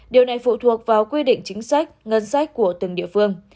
điều này phụ thuộc vào quy định chính sách ngân sách của từng địa phương